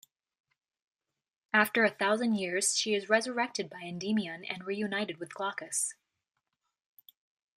After a thousand years, she is resurrected by Endymion and reunited with Glaucus.